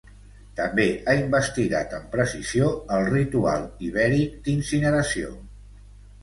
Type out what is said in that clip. També ha investigat amb precisió el ritual ibèric d'incineració.